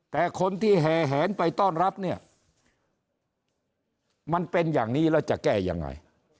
แต่คนที่แห่แหนไปต้อนรับเนี่ยมันเป็นอย่างนี้แล้วจะแก้ยังไง